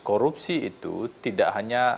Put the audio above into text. korupsi itu tidak hanya